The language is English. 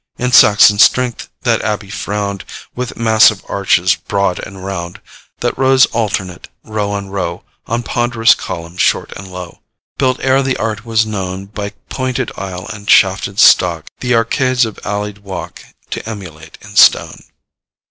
In Saxon strength that abbey frowned, With massive arches broad and round, That rose alternate, row on row, On ponderous columns, short and low, Built ere the art was known, By pointed aisle, and shafted stalk, The arcades of an alley'd walk, To emulate in stone.'